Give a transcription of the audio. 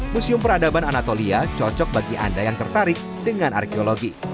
museum peradaban anatolia cocok bagi anda yang tertarik dengan arkeologi